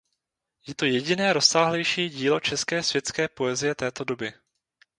Je to jediné rozsáhlejší dílo české světské poezie této doby.